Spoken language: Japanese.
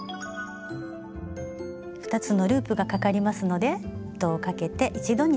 ２つのループがかかりますので糸をかけて一度に引き抜きます。